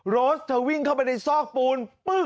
โรสเธอวิ่งเข้าไปในซอกปูน